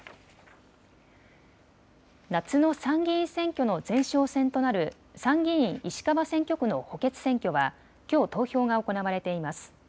夏の参議院選挙の前哨戦となる参議院石川選挙区の補欠選挙はきょう、投票が行われています。